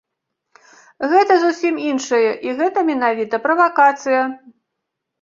Гэта зусім іншае і гэта менавіта правакацыя.